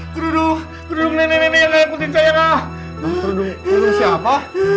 kududuk kududuk siapa